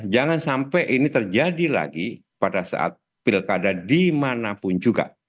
jangan sampai ini terjadi lagi pada saat pilkada dimanapun juga